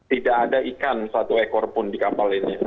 tidak ada ikan satu ekor pun di kapal ini